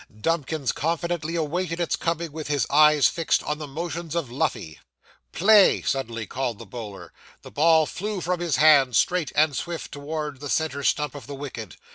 Dumkins confidently awaited its coming with his eyes fixed on the motions of Luffey. 'Play!' suddenly cried the bowler. The ball flew from his hand straight and swift towards the centre stump of the wicket.